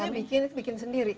maksudnya bikin sendiri